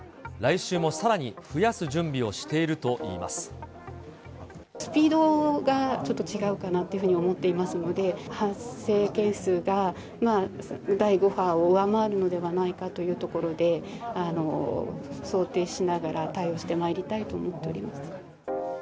来週もさらに増やす準備をしていスピードがちょっと違うかなというふうに思っていますので、発生件数が第５波を上回るのではないかというところで、想定しながら、対応してまいりたいと思っております。